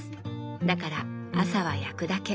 だから朝は焼くだけ。